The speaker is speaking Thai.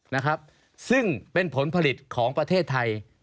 นะครับซึ่งเป็นผลผลิตของประเทศไทย